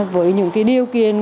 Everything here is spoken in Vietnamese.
với những cái điều kiện